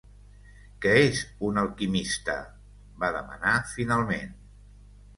"Què és un alquimista?", va demanar finalment.